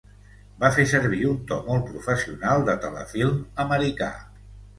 Va fer servir un to molt professional, de telefilm americà.